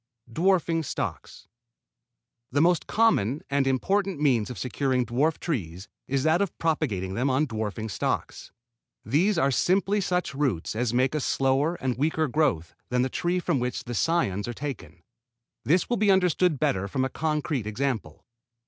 DWARFING STOCKS The most common and important means of securing dwarf trees is that of propagating them on dwarfing stocks. These are simply such roots as make a slower and weaker growth than the trees from which cions are taken. This will be understood better from a concrete example.